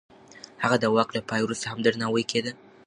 هغه د واک له پای وروسته هم درناوی کېده.